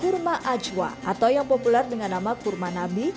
kurma ajwa atau yang populer dengan nama kurma nabi